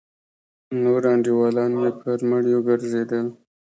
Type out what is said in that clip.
نور انډيولان مې پر مړيو گرځېدل.